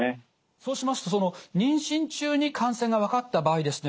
そうしますと妊娠中に感染が分かった場合ですね